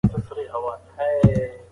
فتح خان د خپلو سرتیرو سره ښار ونیو.